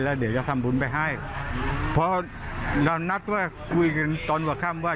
แล้วเดี๋ยวจะทำบุญไปให้เพราะเรานัดว่าคุยกันตอนหัวค่ำว่า